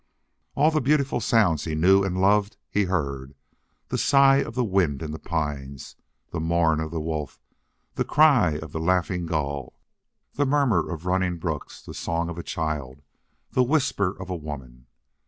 All the beautiful sounds he knew and loved he heard the sigh of the wind in the pines, the mourn of the wolf, the cry of the laughing gull, the murmur of running brooks, the song of a child, the whisper of a woman.